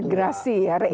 integrasi ya reintegrasi